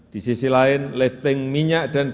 di sisi lain lifting minyak dan